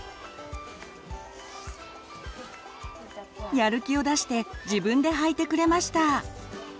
やる気を出して自分ではいてくれました。